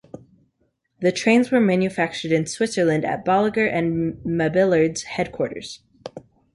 The trains were manufactured in Switzerland at Bolliger and Mabillard's headquarters.